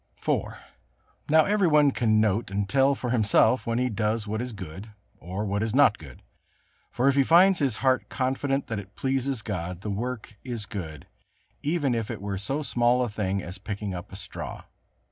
IV. Now every one can note and tell for himself when he does what is good or what is not good; for if he finds his heart confident that it pleases God, the work is good, even if it were so small a thing as picking up a straw.